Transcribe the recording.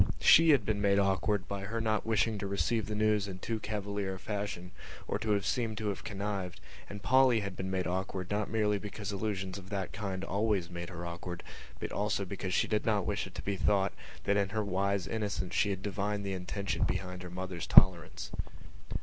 She had been made awkward by her not wishing to receive the news in too cavalier a fashion or to seem to have connived and Polly had been made awkward not merely because allusions of that kind always made her awkward but also because she did not wish it to be thought that in her wise innocence she had divined the intention behind her mother's tolerance.